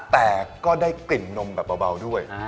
แต่ก็ได้กลิ่นนมแบบเบาด้วย